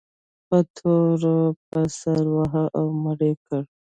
په توره یې پر سر وواهه او مړ یې کړ.